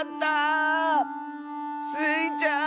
スイちゃん！